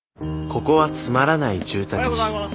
ここはつまらない住宅地。